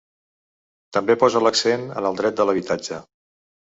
També posa l’accent en el dret de l’habitatge.